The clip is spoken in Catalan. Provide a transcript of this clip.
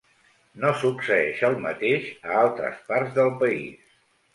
No succeeix el mateix a altres parts del país.